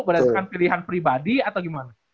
berdasarkan pilihan pribadi atau gimana